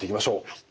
はい。